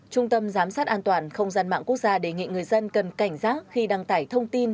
trung tâm giám sát an toàn không gian mạng quốc gia đề nghị người dân cần cảnh giác khi đăng tải thông tin